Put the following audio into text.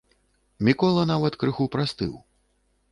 Мікола нават крыху прастыў.